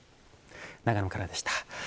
長野からでした。